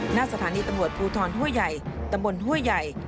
หน้าสถานีตรรวจพูทรทั่วใหญ่ตำบลทั่วใหญ่